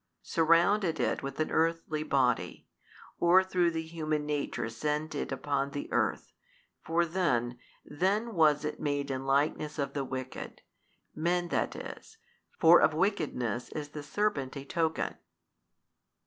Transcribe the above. surrounded it with an earthly Body, or through the human nature sent it upon the earth, for then, then was it made in likeness of the wicked, men that is, for of wickedness is the serpent a token.